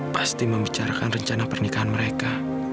pasti membicarakan rencana pernikahan mereka